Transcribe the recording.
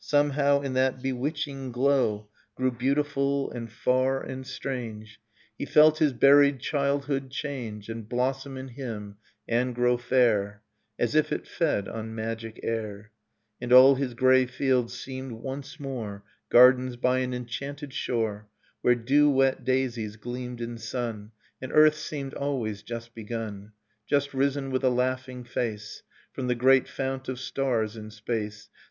Somehow, in that bewitching glow, Grew beautiful and far and strange; He felt his buried childhood change And blossom in him and grow fair [8i] Nocturne of Remembered Spring As if it fed on magic air ; And all his grey fields seemed once more Gardens by an enchanted shore, Where dew wet daisies gleamed in sun And earth seemed always just begun, — Just risen, with a laughing face. From the great fount of stars in space